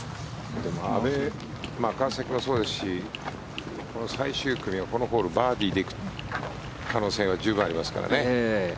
でも、川崎もそうですし最終組はこのホール、バーディーで行く可能性は十分ありますからね。